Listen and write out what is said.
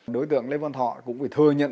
đối tượng lê văn thọ cũng phải thừa nhận